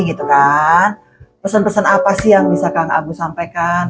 apa pesan pesan yang bisa abus sampaikan